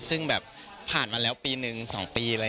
ซึ่งผ่านมาแล้วปีหนึ่งสองปี